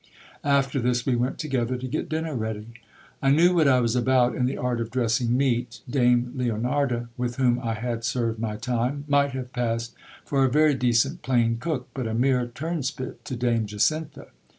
After this, we went together to get dinner ready, f I knew what I was about in the art of dressing meat. Dame Leonarda, with whom I had served my time, might have passed for a very decent plain cook ; but a mere turnspit to dame Jacintha.